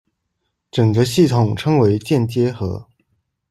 整个系统称为键接合。